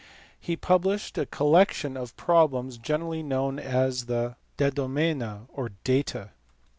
He published a collection of problems generally known as the AeSo/xeVa or Data.